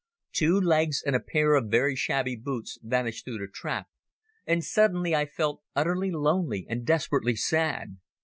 Two legs and a pair of very shabby boots vanished through the trap, and suddenly I felt utterly lonely and desperately sad.